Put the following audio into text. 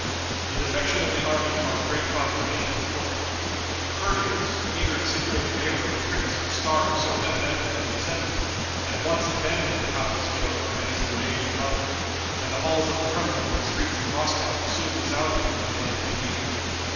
The defection of the army caused great consternation at court. The courtiers, eager to secure the favor of the prince whose star was so evidently in the ascendant, at once abandoned the hapless Feodor and his enraged mother; and the halls of the Kremlin and the streets of Moscow were soon resounding with the name of Dmitri.